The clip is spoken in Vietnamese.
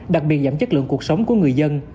đặc biệt giảm chất lượng cuộc sống của người dân